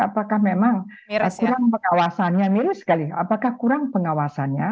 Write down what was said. apakah memang aturan pengawasannya mirip sekali apakah kurang pengawasannya